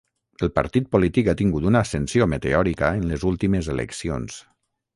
El partit polític ha tingut una ascensió meteòrica en les últimes eleccions.